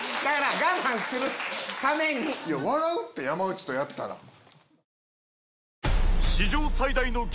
山内とやったら。